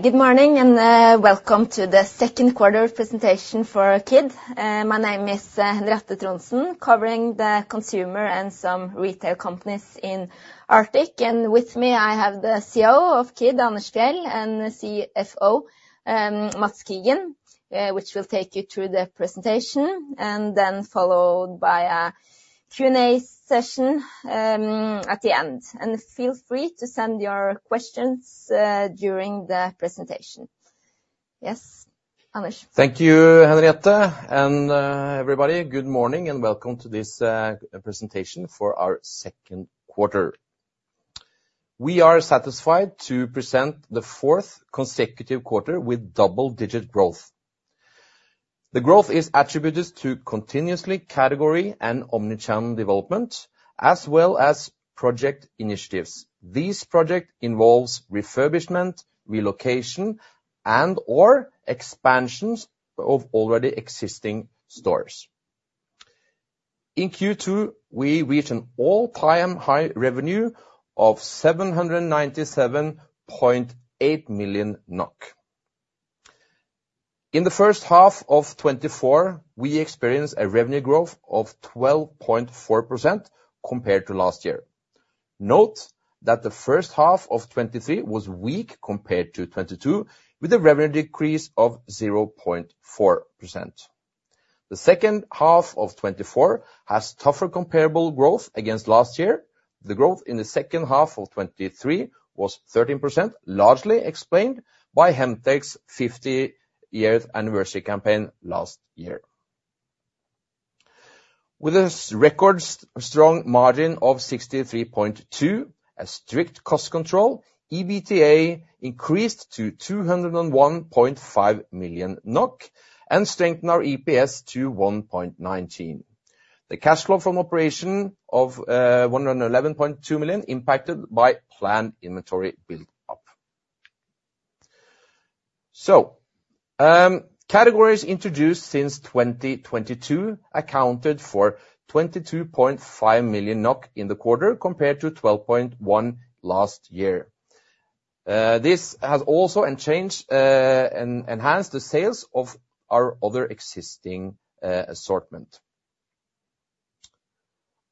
Good morning, and welcome to the second quarter presentation for Kid. My name is Henriette Trondsen, covering the consumer and some retail companies in Arctic. And with me, I have the CEO of Kid, Anders Fjeld, and the CFO, Mads Kigen, which will take you through the presentation, and then followed by a Q&A session at the end. And feel free to send your questions during the presentation. Yes, Anders. Thank you, Henriette, and, everybody, good morning, and welcome to this, presentation for our second quarter. We are satisfied to present the fourth consecutive quarter with double-digit growth. The growth is attributed to continuously category and omni-channel development, as well as project initiatives. These project involves refurbishment, relocation, and/or expansions of already existing stores. In Q2, we reached an all-time high revenue of 797.8 million NOK. In the first half of 2024, we experienced a revenue growth of 12.4% compared to last year. Note that the first half of 2023 was weak compared to 2022, with a revenue decrease of 0.4%. The second half of 2024 has tougher comparable growth against last year. The growth in the second half of 2023 was 13%, largely explained by Hemtex's fifty-year anniversary campaign last year. With a record strong margin of 63.2%, a strict cost control, EBITDA increased to 201.5 million NOK and strengthened our EPS to 1.19. The cash flow from operations of 111.2 million, impacted by planned inventory build-up. Categories introduced since 2022 accounted for 22.5 million NOK in the quarter, compared to 12.1 last year. This has also enhanced enhanced the sales of our other existing assortment.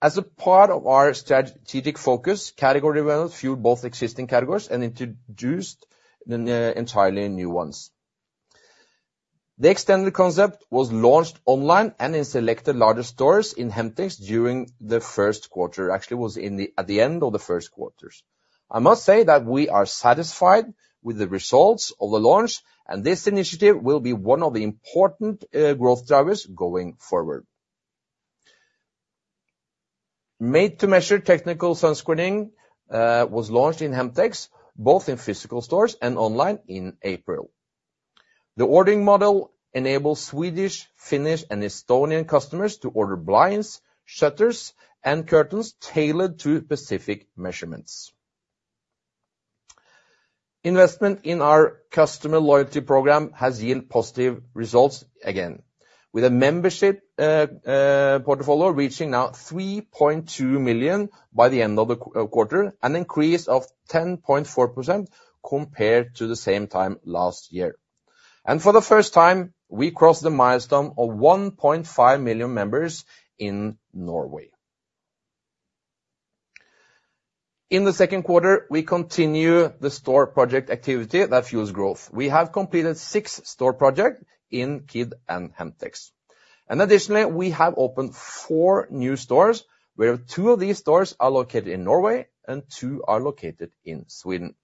As a part of our strategic focus, category development fueled both existing categories and introduced entirely new ones. The Extended concept was launched online and in selected larger stores in Hemtex during the first quarter. Actually, it was in the, at the end of the first quarter. I must say that we are satisfied with the results of the launch, and this initiative will be one of the important growth drivers going forward. Made-to-measure technical sun screening was launched in Hemtex, both in physical stores and online in April. The ordering model enables Swedish, Finnish, and Estonian customers to order blinds, shutters, and curtains tailored to specific measurements. Investment in our customer loyalty program has yielded positive results again, with a membership portfolio reaching now 3.2 million by the end of the quarter, an increase of 10.4% compared to the same time last year, and for the first time, we crossed the milestone of 1.5 million members in Norway. In the second quarter, we continue the store project activity that fuels growth. We have completed six store project in Kid and Hemtex. And additionally, we have opened four new stores, where two of these stores are located in Norway and two are located in Sweden.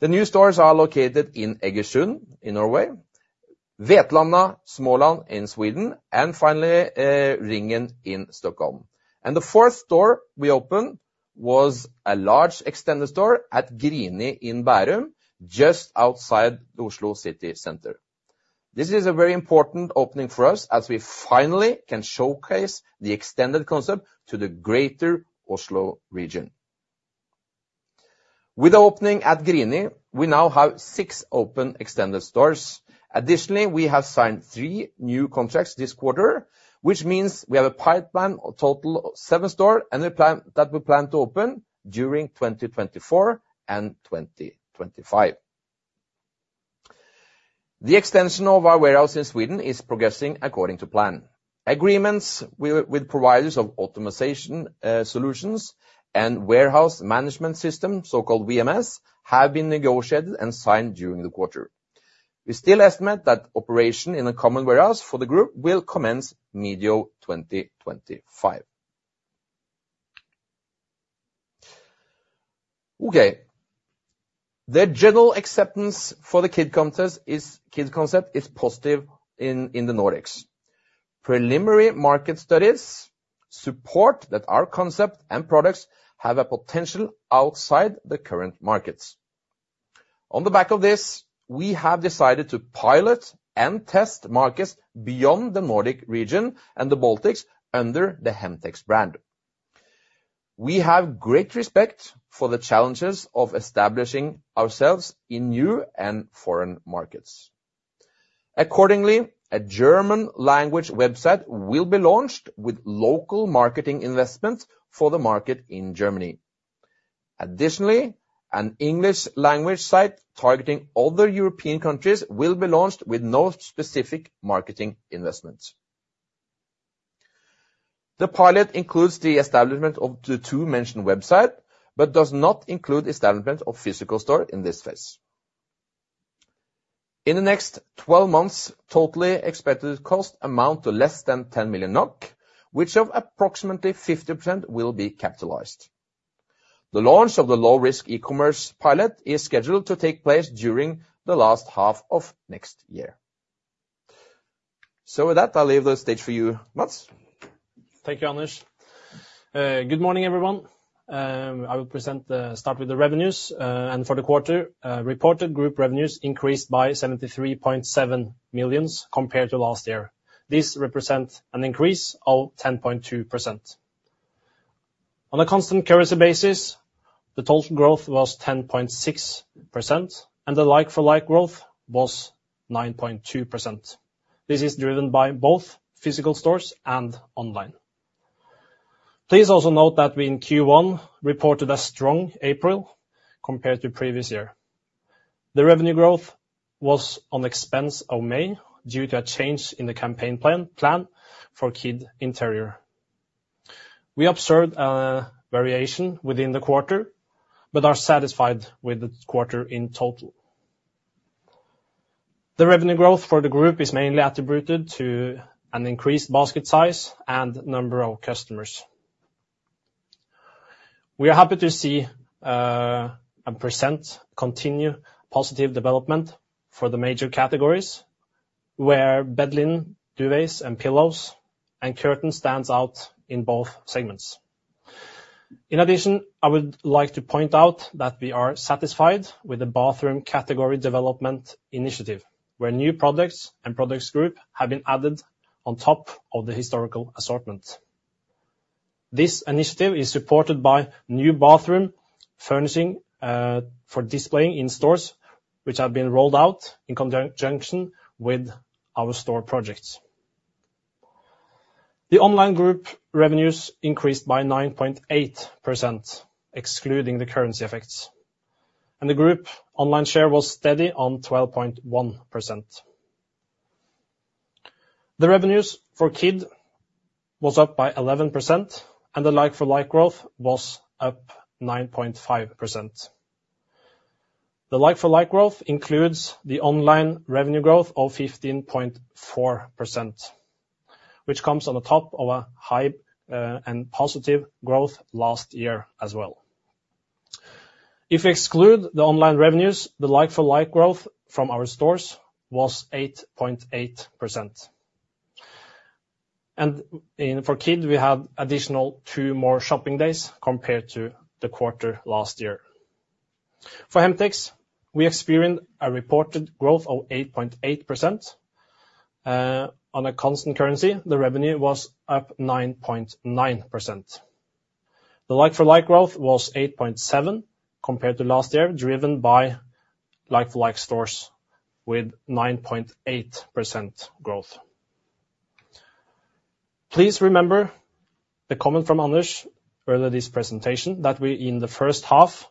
The new stores are located in Egersund in Norway, Vetlanda, Småland in Sweden, and finally, Ringen in Stockholm. And the fourth store we opened was a large Extended store at Grini in Bærum, just outside the Oslo city center. This is a very important opening for us, as we finally can showcase the Extended concept to the greater Oslo region. With the opening at Grini, we now have six open Extended stores. Additionally, we have signed three new contracts this quarter, which means we have a pipeline of total of seven stores that we plan to open during twenty twenty-four and twenty twenty-five. The extension of our warehouse in Sweden is progressing according to plan. Agreements with providers of optimization solutions and warehouse management system, so-called WMS, have been negotiated and signed during the quarter. We still estimate that operation in a common warehouse for the group will commence mid-year 2025. Okay. The general acceptance for the Kid concept is positive in the Nordics. Preliminary market studies support that our concept and products have a potential outside the current markets. On the back of this, we have decided to pilot and test markets beyond the Nordic region and the Baltics under the Hemtex brand. We have great respect for the challenges of establishing ourselves in new and foreign markets. Accordingly, a German language website will be launched with local marketing investments for the market in Germany. Additionally, an English language site targeting other European countries will be launched with no specific marketing investments. The pilot includes the establishment of the two mentioned websites, but does not include establishment of physical store in this phase. In the next twelve months, total expected cost amount to less than 10 million NOK, which of approximately 50% will be capitalized. The launch of the low-risk e-commerce pilot is scheduled to take place during the last half of next year. So with that, I'll leave the stage for you, Mads. Thank you, Anders. Good morning, everyone. I will start with the revenues, and for the quarter, reported group revenues increased by 73.7 million compared to last year. This represent an increase of 10.2%. On a constant currency basis, the total growth was 10.6%, and the like-for-like growth was 9.2%. This is driven by both physical stores and online. Please also note that we, in Q1, reported a strong April compared to previous year. The revenue growth was at the expense of May, due to a change in the campaign plan for Kid Interior. We observed a variation within the quarter, but are satisfied with the quarter in total. The revenue growth for the group is mainly attributed to an increased basket size and number of customers. We are happy to see and present continued positive development for the major categories, where bed linen, duvets and pillows, and curtains stands out in both segments. In addition, I would like to point out that we are satisfied with the bathroom category development initiative, where new products and products group have been added on top of the historical assortment. This initiative is supported by new bathroom furnishing for displaying in stores, which have been rolled out in conjunction with our store projects. The online group revenues increased by 9.8%, excluding the currency effects, and the group online share was steady on 12.1%. The revenues for Kid was up by 11%, and the like-for-like growth was up 9.5%. The like-for-like growth includes the online revenue growth of 15.4%, which comes on the top of a high, and positive growth last year as well. If we exclude the online revenues, the like-for-like growth from our stores was 8.8%. And in for Kid, we had additional two more shopping days compared to the quarter last year. For Hemtex, we experienced a reported growth of 8.8%. On a constant currency, the revenue was up 9.9%. The like-for-like growth was 8.7% compared to last year, driven by like-for-like stores with 9.8% growth. Please remember the comment from Anders earlier this presentation, that we, in the first half,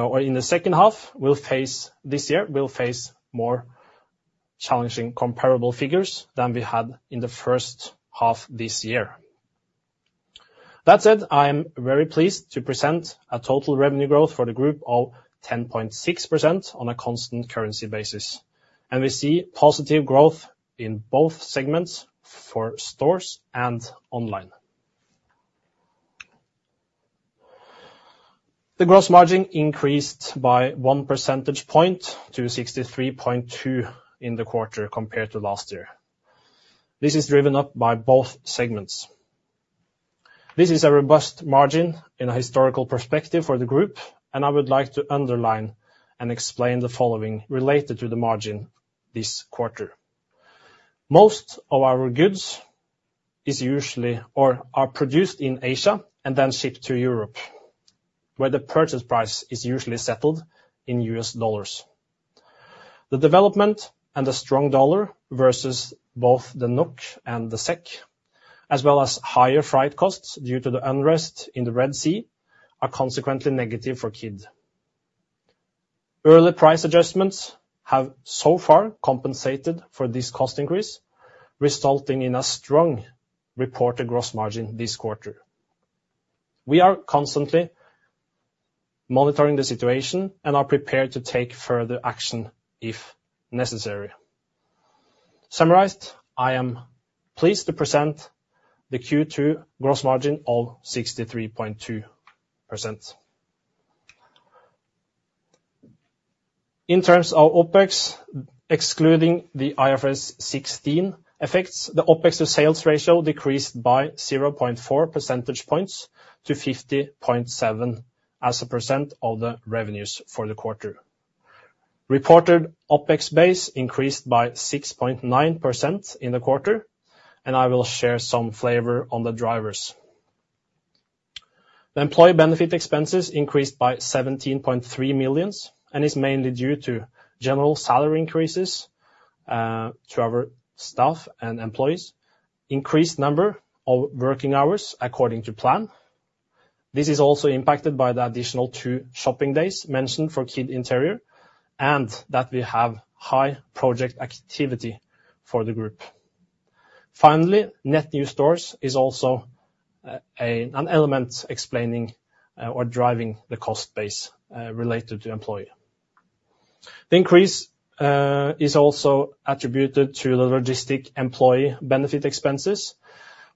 or in the second half, we'll face. This year, we'll face more challenging comparable figures than we had in the first half this year. That said, I am very pleased to present a total revenue growth for the group of 10.6% on a constant currency basis, and we see positive growth in both segments for stores and online. The gross margin increased by one percentage point to 63.2 in the quarter compared to last year. This is driven up by both segments. This is a robust margin in a historical perspective for the group, and I would like to underline and explain the following related to the margin this quarter. Most of our goods is usually or are produced in Asia and then shipped to Europe, where the purchase price is usually settled in USD. The development and the strong dollar versus both the NOK and the SEK, as well as higher freight costs due to the unrest in the Red Sea, are consequently negative for Kid. Early price adjustments have so far compensated for this cost increase, resulting in a strong reported gross margin this quarter. We are constantly monitoring the situation and are prepared to take further action if necessary. Summarized, I am pleased to present the Q2 gross margin of 63.2%. In terms of OpEx, excluding the IFRS 16 effects, the OpEx to sales ratio decreased by 0.4 percentage points to 50.7% of the revenues for the quarter. Reported OpEx base increased by 6.9% in the quarter, and I will share some flavor on the drivers. The employee benefit expenses increased by 17.3 million, and is mainly due to general salary increases to our staff and employees. Increased number of working hours according to plan. This is also impacted by the additional two shopping days mentioned for Kid Interior, and that we have high project activity for the group. Finally, net new stores is also an element explaining or driving the cost base related to employee. The increase is also attributed to the logistic employee benefit expenses,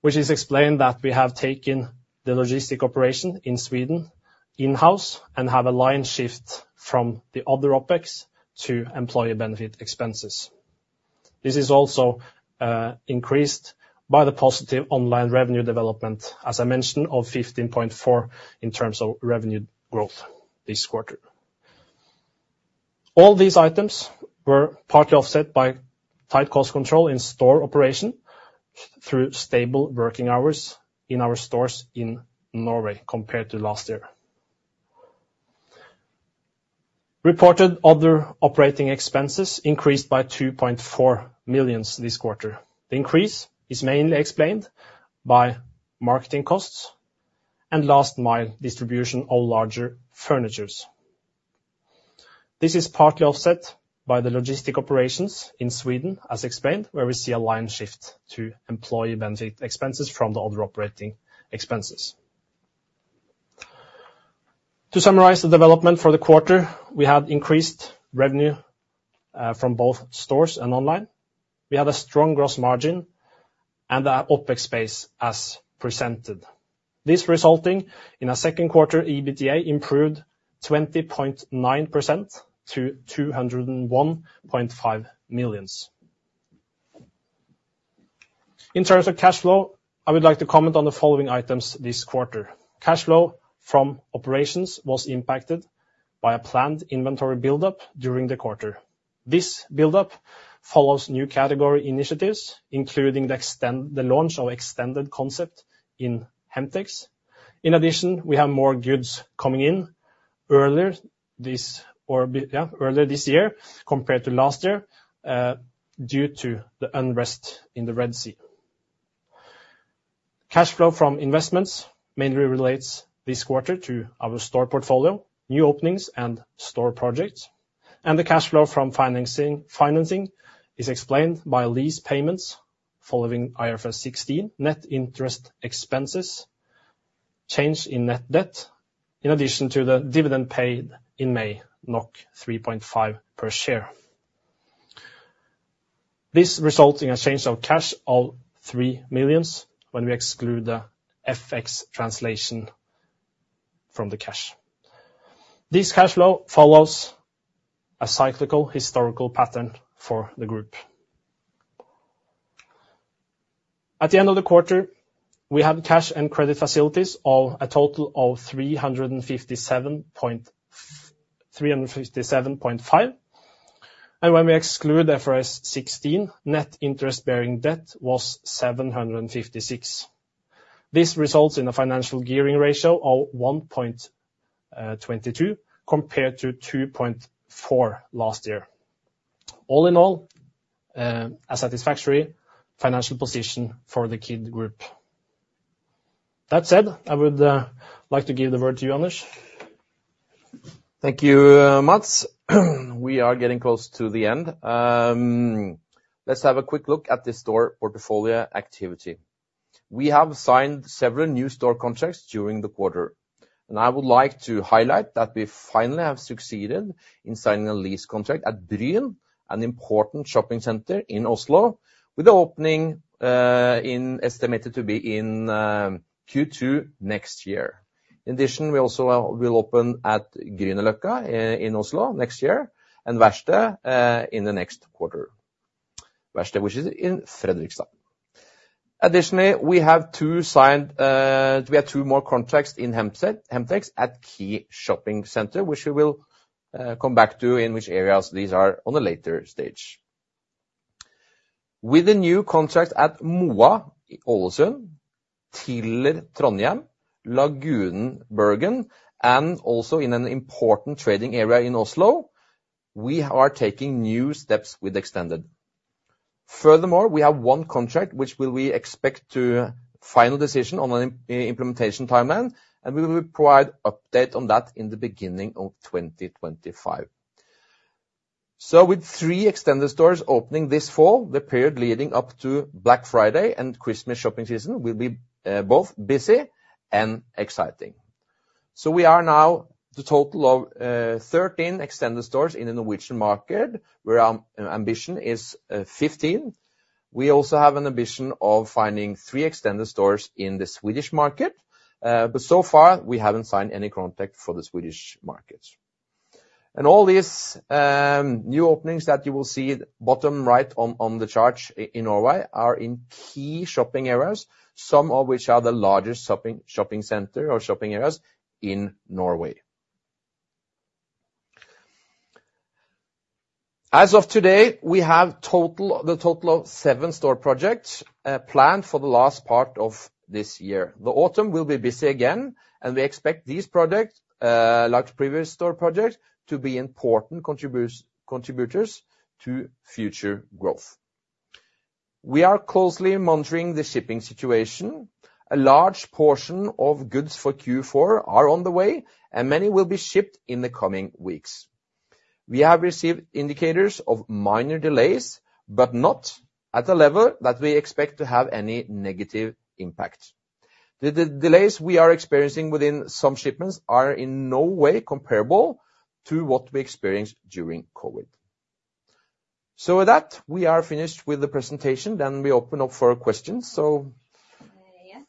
which is explained that we have taken the logistic operation in Sweden in-house, and have a line shift from the other OpEx to employee benefit expenses. This is also increased by the positive online revenue development, as I mentioned, of 15.4% in terms of revenue growth this quarter. All these items were partly offset by tight cost control in store operation through stable working hours in our stores in Norway compared to last year. Reported other operating expenses increased by 2.4 million this quarter. The increase is mainly explained by marketing costs and last mile distribution of larger furniture. This is partly offset by the logistics operations in Sweden, as explained, where we see a line shift to employee benefit expenses from the other operating expenses. To summarize the development for the quarter, we have increased revenue from both stores and online. We have a strong gross margin and our OpEx as presented. This resulting in our second quarter EBITDA improved 20.9% to NOK 201.5 million. In terms of cash flow, I would like to comment on the following items this quarter. Cash flow from operations was impacted by a planned inventory buildup during the quarter. This buildup follows new category initiatives, including the launch of the Extended concept in Hemtex. In addition, we have more goods coming in earlier this year compared to last year, due to the unrest in the Red Sea. Cash flow from investments mainly relates this quarter to our store portfolio, new openings, and store projects. The cash flow from financing is explained by lease payments following IFRS 16, net interest expenses, change in net debt, in addition to the dividend paid in May, 3.5 per share. This resulting in a change in cash of 3 million when we exclude the FX translation from the cash. This cash flow follows a cyclical historical pattern for the group. At the end of the quarter, we had cash and credit facilities of a total of 357.5, and when we exclude the IFRS 16, net interest-bearing debt was 756. This results in a financial gearing ratio of 1.22, compared to 2.4 last year. All in all, a satisfactory financial position for the Kid Group. That said, I would like to give the word to you, Janusz. Thank you, Mads. We are getting close to the end. Let's have a quick look at the store portfolio activity. We have signed several new store contracts during the quarter, and I would like to highlight that we finally have succeeded in signing a lease contract at Bryn, an important shopping center in Oslo, with the opening in estimated to be in Q2 next year. In addition, we also will open at Grünerløkka in Oslo next year, and Værste in the next quarter. Værste, which is in Fredrikstad. Additionally, we have two more contracts in Hemtex at key shopping centers, which we will come back to in which areas these are on a later stage. With the new contract at Moa, Ålesund, Tiller, Trondheim, Lagunen Bergen, and also in an important trading area in Oslo, we are taking new steps with Extended. Furthermore, we have one contract, which we will expect to final decision on an implementation timeline, and we will provide update on that in the beginning of twenty twenty-five. So with three Extended stores opening this fall, the period leading up to Black Friday and Christmas shopping season will be both busy and exciting. So we are now the total of thirteen Extended stores in the Norwegian market, where our ambition is fifteen. We also have an ambition of finding three Extended stores in the Swedish market, but so far, we haven't signed any contract for the Swedish markets. All these new openings that you will see bottom right on the charts in Norway are in key shopping areas, some of which are the largest shopping centers or shopping areas in Norway. As of today, we have a total of seven store projects planned for the last part of this year. The autumn will be busy again, and we expect these projects, like the previous store projects, to be important contributors to future growth. We are closely monitoring the shipping situation. A large portion of goods for Q4 are on the way, and many will be shipped in the coming weeks. We have received indicators of minor delays, but not at a level that we expect to have any negative impact. The delays we are experiencing within some shipments are in no way comparable to what we experienced during COVID. So with that, we are finished with the presentation, then we open up for questions. So- Yes,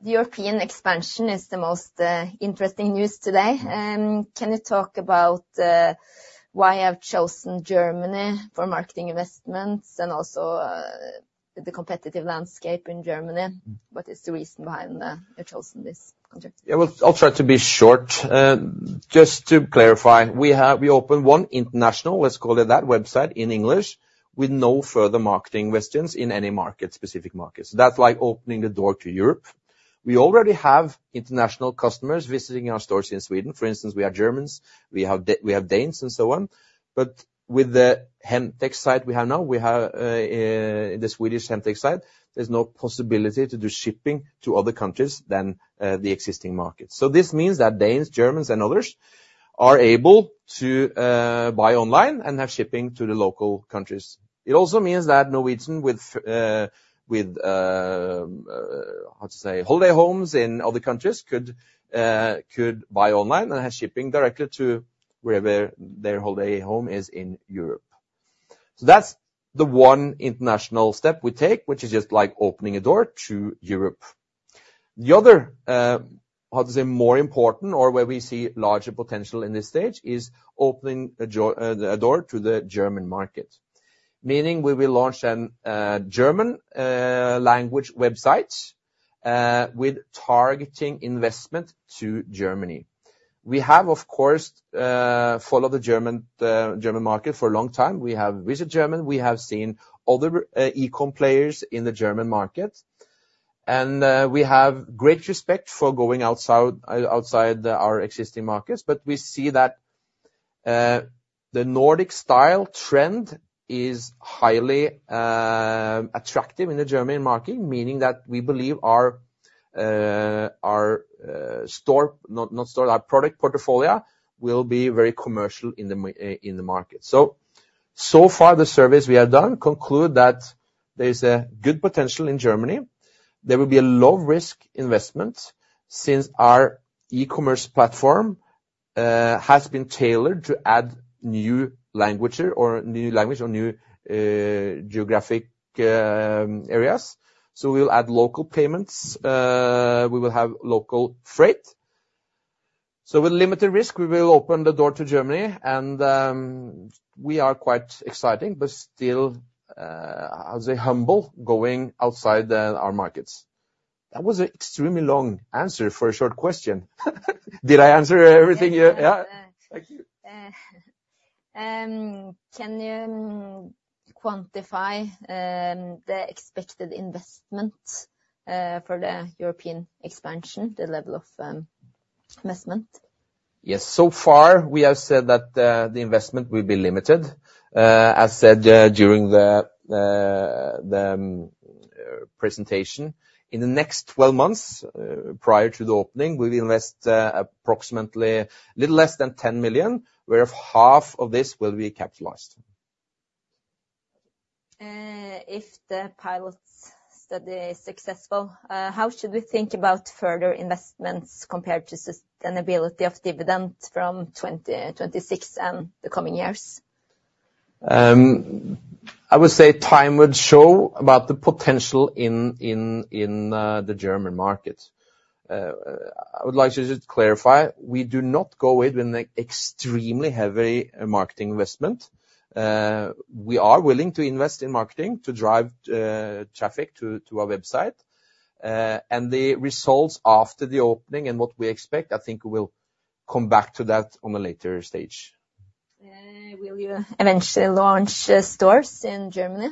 the European expansion is the most interesting news today. Can you talk about why you have chosen Germany for marketing investments, and also the competitive landscape in Germany? What is the reason behind you chosen this country? Yeah, well, I'll try to be short. Just to clarify, we opened one international, let's call it that, website in English, with no further marketing investments in any market, specific markets. That's like opening the door to Europe. We already have international customers visiting our stores in Sweden, for instance, we have Germans, we have Danes, and so on. But with the Hemtex site we have now, the Swedish Hemtex site, there's no possibility to do shipping to other countries than the existing market. So this means that Danes, Germans, and others are able to buy online and have shipping to the local countries. It also means that Norwegians with holiday homes in other countries could buy online and have shipping directly to wherever their holiday home is in Europe. So that's the one international step we take, which is just like opening a door to Europe. The other, more important, or where we see larger potential in this stage, is opening a door to the German market. Meaning we will launch a German language website with targeting investment to Germany. We have, of course, followed the German market for a long time. We have visited Germany, we have seen other e-com players in the German market. And we have great respect for going outside our existing markets, but we see that the Nordic style trend is highly attractive in the German market. Meaning that we believe our store... Not, not store, our product portfolio will be very commercial in the market. So far, the surveys we have done conclude that there's a good potential in Germany. There will be a low-risk investment, since our e-commerce platform has been tailored to add new languages or new geographic areas. We'll add local payments, we will have local freight. So with limited risk, we will open the door to Germany, and we are quite exciting, but still, I would say humble, going outside our markets. That was an extremely long answer for a short question. Did I answer everything you- Yeah. Yeah? Thank you. Can you quantify the expected investment for the European expansion, the level of investment? Yes. So far, we have said that the investment will be limited. As said, during the presentation, in the next 12 months, prior to the opening, we will invest approximately a little less than 10 million, where half of this will be capitalized. If the pilot study is successful, how should we think about further investments compared to sustainability of dividend from twenty twenty-six and the coming years? I would say time would show about the potential in the German market. I would like to just clarify, we do not go in with an extremely heavy marketing investment. We are willing to invest in marketing to drive traffic to our website. And the results after the opening and what we expect, I think we'll come back to that on a later stage. Will you eventually launch stores in Germany?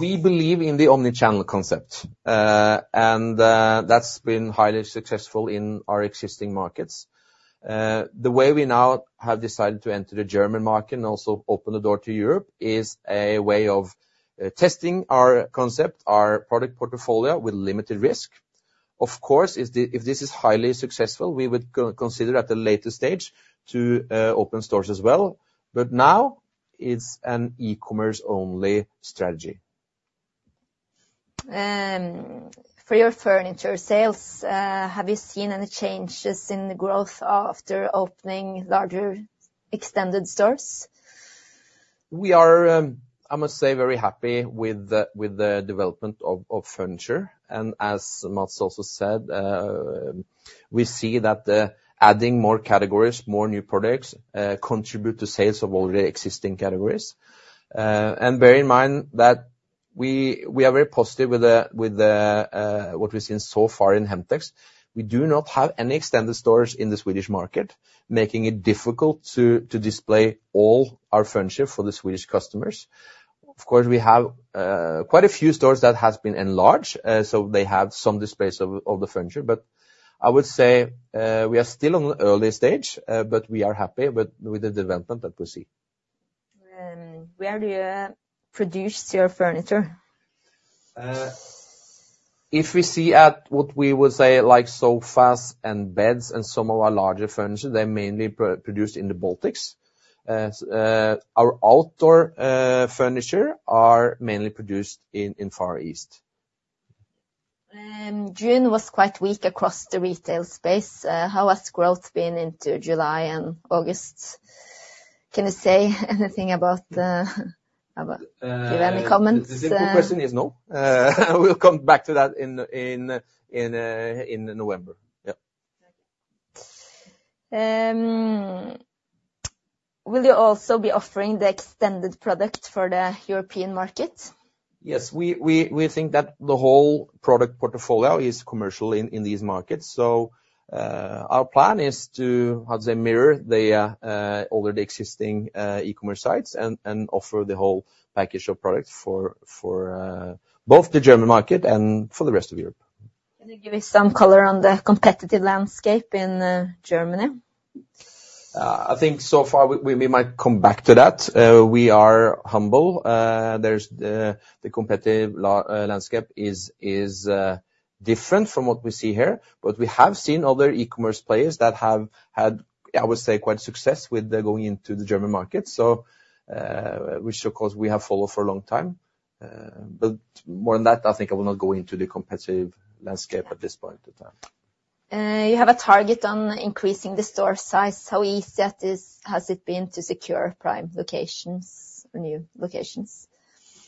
We believe in the omni-channel concept and that's been highly successful in our existing markets. The way we now have decided to enter the German market and also open the door to Europe is a way of testing our concept, our product portfolio with limited risk. Of course, if this is highly successful, we would consider at a later stage to open stores as well, but now it's an e-commerce only strategy. For your furniture sales, have you seen any changes in the growth after opening larger Extended stores? We are, I must say, very happy with the development of furniture. As Mads also said, we see that adding more categories, more new products contribute to sales of already existing categories, and bear in mind that we are very positive with what we've seen so far in Hemtex. We do not have any Extended stores in the Swedish market, making it difficult to display all our furniture for the Swedish customers. Of course, we have quite a few stores that has been enlarged, so they have some display of the furniture. I would say we are still on the early stage, but we are happy with the development that we see. Where do you produce your furniture? If we see at what we would say, like sofas and beds and some of our larger furniture, they're mainly produced in the Baltics. Our outdoor furniture are mainly produced in the Far East. June was quite weak across the retail space. How has growth been into July and August? Can you say anything about the ...? Do you have any comments? The simple question is no. We'll come back to that in November. Yep. Will you also be offering the extended product for the European market? Yes, we think that the whole product portfolio is commercial in these markets, so our plan is to, how do you say, mirror the already existing e-commerce sites and offer the whole package of products for both the German market and for the rest of Europe. Can you give me some color on the competitive landscape in Germany? I think so far we might come back to that. We are humble. There's the competitive landscape is different from what we see here. But we have seen other e-commerce players that have had, I would say, quite success with going into the German market, so, which of course we have followed for a long time. But more on that, I think I will not go into the competitive landscape at this point in time. You have a target on increasing the store size. How easy has that been to secure prime locations or new locations?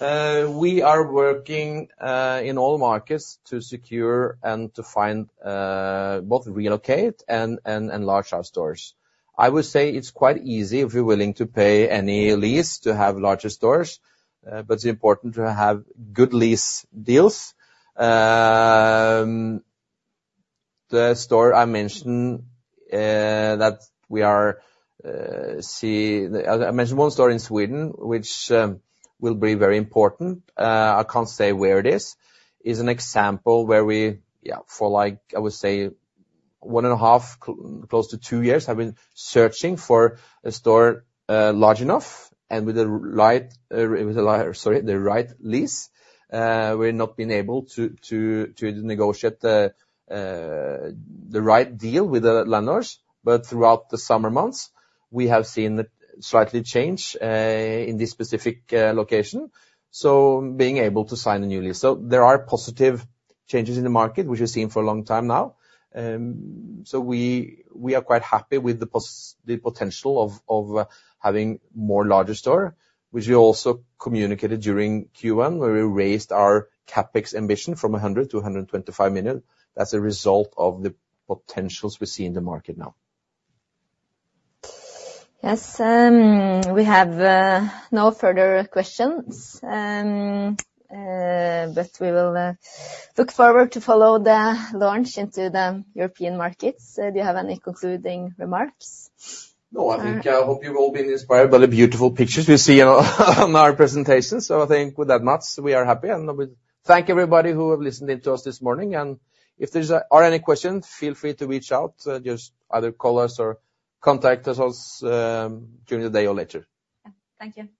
We are working in all markets to secure and to find both relocate and enlarge our stores. I would say it's quite easy if you're willing to pay any lease to have larger stores, but it's important to have good lease deals. The store I mentioned that we are, I mentioned one store in Sweden, which will be very important, I can't say where it is, is an example where we, yeah, for like, I would say, one and a half, close to two years, have been searching for a store large enough and with the right, sorry, the right lease. We've not been able to negotiate the right deal with the landlords, but throughout the summer months, we have seen a slight change in this specific location, so being able to sign a new lease. There are positive changes in the market, which we've seen for a long time now. We are quite happy with the potential of having more larger store, which we also communicated during Q1, where we raised our CapEx ambition from 100 million-125 million. That's a result of the potentials we see in the market now. Yes, we have no further questions. But we will look forward to follow the launch into the European markets. Do you have any concluding remarks? No, I think I hope you've all been inspired by the beautiful pictures we see on our presentation, so I think with that much, we are happy, and we thank everybody who have listened in to us this morning, and if there are any questions, feel free to reach out. Just either call us or contact us during the day or later. Thank you. Thank you.